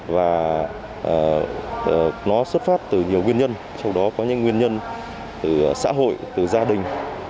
và nó xuất phát từ nhiều nguyên nhân trong đó có những nguyên nhân từ xã hội từ gia đình